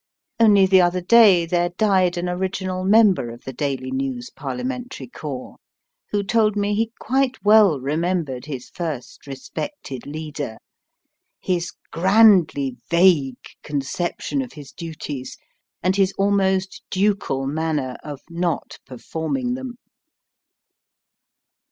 Only the other day there died an original member of the Daily News Parliamentary Corps, who told me he quite well remembered his first respected leader, his grandly vague conception of his duties, and his almost ducal manner of not performing them.